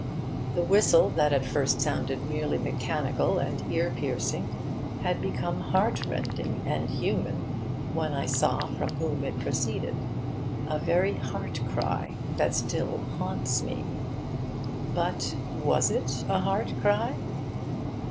The whistle that at first sounded merely mechanical and ear piercing had become heartrending and human when I saw from whom it proceeded a very heart cry that still haunts me. But was it a heart cry?